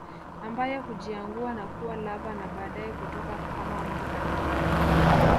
Ambayo hujiangua na kuwa larvae na baadaye kutoka kama mbu kamili